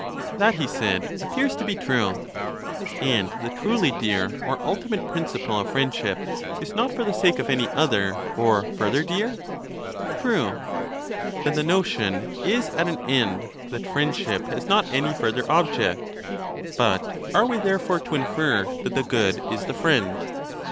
That, he said, appears to be true. And the truly dear or ultimate principle of friend ship is not for the sake of any other or further dear. True. Then the notion is at an end that friendship has not any further object. But are we therefore to infer that the good is the friend?